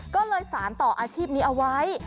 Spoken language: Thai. ก็เลยสารต่ออาชีพนี้เอาไว้